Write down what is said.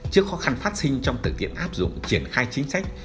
trước khó khăn phát sinh trong tự tiện áp dụng triển khai chính sách